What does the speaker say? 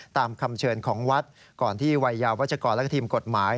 ตามคำเชิญของวัดก่อนที่วัยยาวัชกรและทีมกฎหมาย